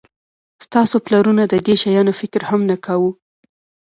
ستاسو پلرونو د دې شیانو فکر هم نه کاوه